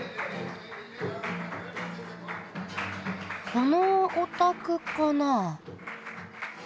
このお宅かな？